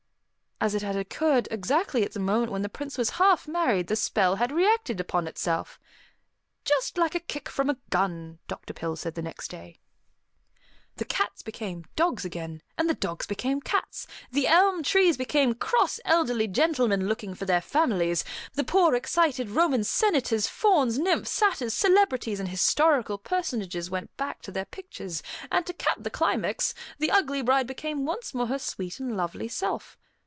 As it had occurred exactly at the moment when the Prince was half married, the spell had reacted upon itself. "Just like a kick from a gun," Dr. Pill said next day. The cats became dogs again, and the dogs became cats; the elm trees became cross, elderly gentlemen looking for their families; the poor, excited Roman senators, fauns, nymphs, satyrs, celebrities and historical personages, went back to their pictures; and to cap the climax, the ugly bride became once more her sweet and lovely self.